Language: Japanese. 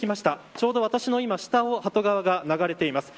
ちょうど私の下を鳩川が流れています。